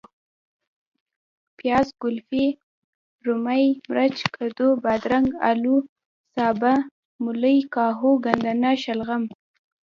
پیاز ،ګلفي ،رومي ،مرچ ،کدو ،بادرنګ ،الو ،سابه ،ملۍ ،کاهو ،ګندنه ،شلغم